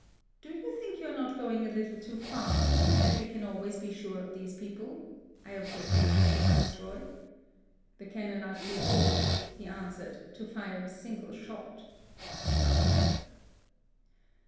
" Do you think you are not going a little too far, and that we can always be sure of these people 1" I objected to the Viceroy. "The cannon are too old,'^ he answered, to fire a single shot.''